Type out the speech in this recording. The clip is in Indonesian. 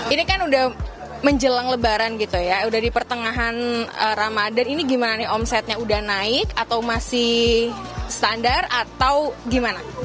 ini kan udah menjelang lebaran gitu ya udah di pertengahan ramadan ini gimana nih omsetnya udah naik atau masih standar atau gimana